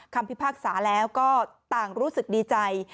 พิพากษาแล้วก็ต่างรู้สึกดีใจ